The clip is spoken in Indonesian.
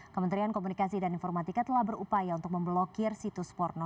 kementerian komunikasi dan informatika telah berupaya untuk memblokir situs porno